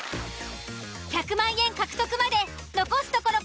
１００万円獲得まで残すところ